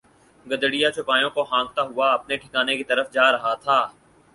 گڈریا چوپایوں کو ہانکتا ہوا اپنے ٹھکانے کی طرف جا رہا تھا